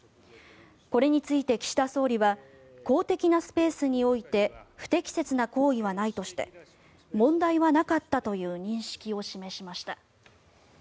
これについて岸田総理は公的なスペースにおいて不適切な行為はないとして問題はなかったという認識を示しました。